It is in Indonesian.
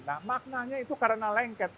nah maknanya itu karena lengket